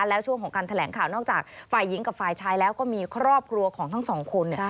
แล้วช่วงของการแถลงข่าวนอกจากฝ่ายหญิงกับฝ่ายชายแล้วก็มีครอบครัวของทั้งสองคน